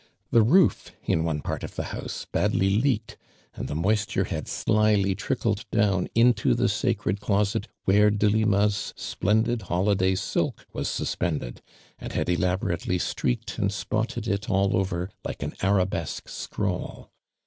The roof iu one part of the house badly leaked and the moisture had slyly trickled down into tho sacred closet when^ Delima's splendid holiday silk was suspended, and hud elaborately streaked and spotted it all over like an arabesque scroll.